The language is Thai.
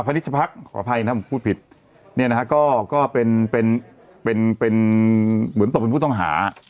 นิชภักษ์ขออภัยนะผมพูดผิดเนี่ยนะฮะก็เป็นเป็นเหมือนตกเป็นผู้ต้องหา